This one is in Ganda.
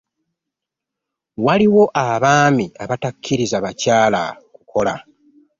Waliwo abaami abatakiriza bakyala kukola.